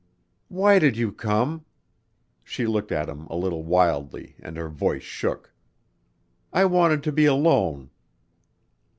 "Why did you come?" She looked at him a little wildly and her voice shook. "I wanted to be alone."